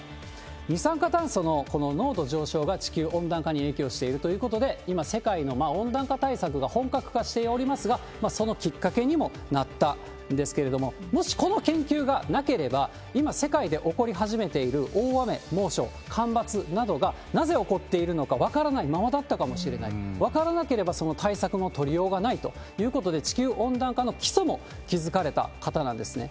二酸化炭素のこの濃度上昇が地球温暖化に影響しているということで、今、世界の温暖化対策が本格化しておりますが、そのきっかけにもなったんですけれども、もしこの研究がなければ、今、世界で起こり始めている大雨、猛暑、干ばつなどがなぜ起こっているのか分からないままだったかもしれない。分からなければ、その対策も取りようがないということで、地球温暖化の基礎も築かれた方なんですね。